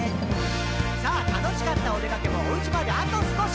「さぁ楽しかったおでかけもお家まであと少し」